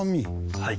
はい。